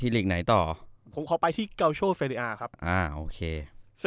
ที่หลีกไหนต่อผมเข้าไปที่เกาโชเซหรีอ่าครับอ่าโอเคเซ